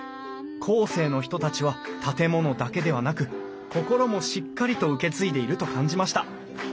後世の人たちは建物だけではなく心もしっかりと受け継いでいると感じました。